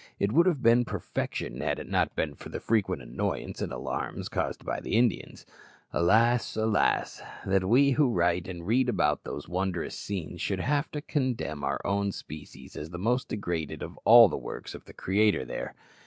It would have been perfection, had it not been for the frequent annoyance and alarms caused by the Indians. Alas! alas! that we who write and read about those wondrous scenes should have to condemn our own species as the most degraded of all the works of the Creator there!